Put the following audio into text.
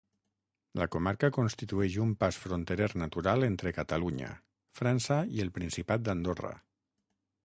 La comarca constitueix un pas fronterer natural entre Catalunya, França i el Principat d'Andorra.